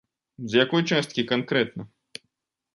З якой часткі канкрэтна?